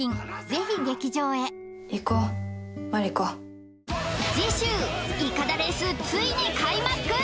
ぜひ劇場へ次週いかだレースついに開幕！